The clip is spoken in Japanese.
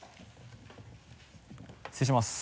失礼します。